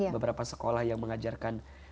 beberapa sekolah yang mengajarkan